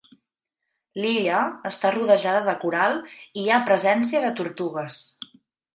L'illa està rodejada de coral i hi ha presència de tortugues.